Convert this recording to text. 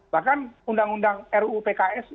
bahkan undang undang ruu pks